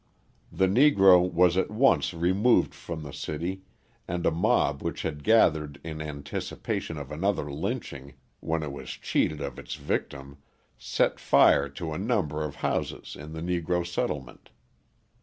The Negro was at once removed from the city and a mob which had gathered in anticipation of another lynching, when it was cheated of its victim, set fire to a number of houses in the Negro settlement.